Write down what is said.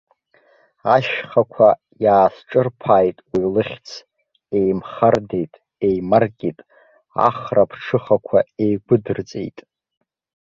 Ашьхақәа иаасҿырԥааит уи лыхьӡ, еимхардеит, еимаркит, ахра ԥҽыхақәа еигәыдырҵеит.